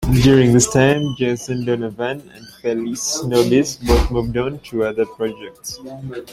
During this time, Jason Donovan and Felix Nobis both moved on to other projects.